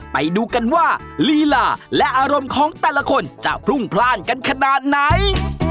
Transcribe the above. ไปดูกันว่าลีลาและอารมณ์ของแต่ละคนจะพรุ่งพลาดกันขนาดไหน